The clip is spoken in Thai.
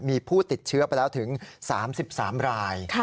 มีผู้ติดเชื้อไปแล้วถึง๓๓ราย